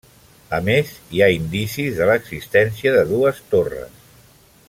A més, hi ha indicis de l'existència de dues torres.